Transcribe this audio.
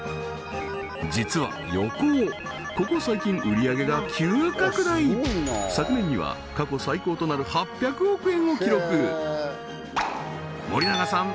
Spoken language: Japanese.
実はヨコオここ最近売上げが急拡大昨年には過去最高となる８００億円を記録森永さん